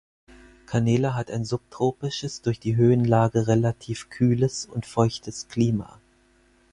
Canela hat ein subtropisches durch die Höhenlage relativ kühles und feuchtes Klima.